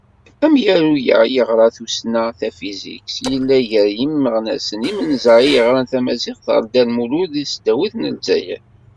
Amyaru-a yeɣra tussna tafizikt, yella gar yimeɣnasen imenza i yeɣran tamaziɣt ɣer Dda Lmulud di tesdawit n Lezzayer.